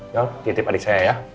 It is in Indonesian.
yuk titip adik saya ya